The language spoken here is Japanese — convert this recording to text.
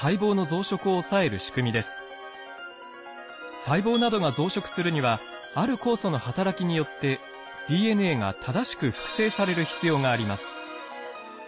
細胞などが増殖するにはある酵素の働きによってＤＮＡが正しく複製される必要があります。